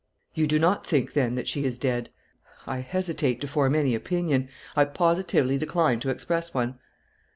"You do not think, then, that she is dead?" "I hesitate to form any opinion; I positively decline to express one."